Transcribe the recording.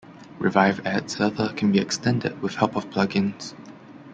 Revive Adserver can be extended with help of plug-ins.